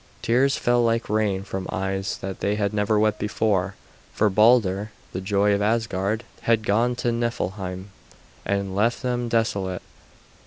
Tears fell like rain from eyes that had never wept before, for Balder, the joy of Asgard, had gone to Niflheim and left them desolate.